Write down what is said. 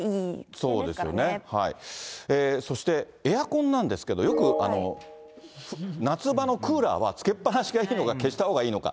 そうですね、それからエアコンなんですけど、よく、夏場のクーラーはつけっぱなしがいいのか、消したほうがいいのか。